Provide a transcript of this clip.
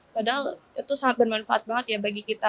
padahal itu sangat bermanfaat banget ya bagi kita